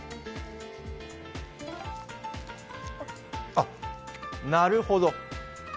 あっ、なるほど！